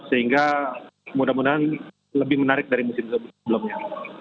sehingga mudah mudahan lebih menarik dari musim sebelumnya